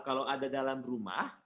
kalau ada dalam rumah